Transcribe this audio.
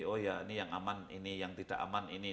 oh ya ini yang aman ini yang tidak aman ini